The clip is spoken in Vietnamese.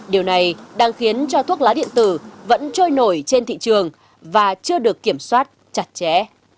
điều này đang khiến cho thuốc lá điện tử vẫn trôi nổi trên thị trường và chưa được kiểm soát chặt chẽ